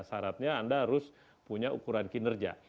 syaratnya anda harus punya ukuran kinerja